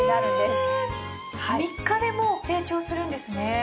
３日でもう成長するんですね！